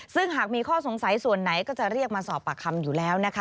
ซึ่งหากมีข้อสงสัยส่วนไหนก็จะเรียกมาสอบปากคำอยู่แล้วนะคะ